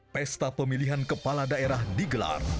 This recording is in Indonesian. pesta pemilihan kepala daerah digelar